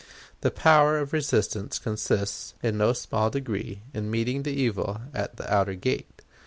The power of resistance consists, in no small degree, in meeting the evil at the outer gate.